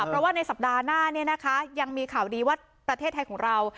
เพราะว่าในสัปดาห์หน้ายังมีข่าวดีว่าประเทศไทยของเรา